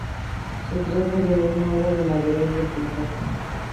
Se trata de una obra de madurez del pintor.